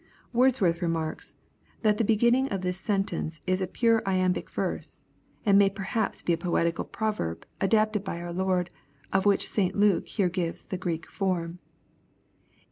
"Wordsworth remarks, that the be^nning of this sentence is a pure Iambic verse, and may perhaps be a poetical proverb adopted by our Lord, of which St Luke here gives the Greek form.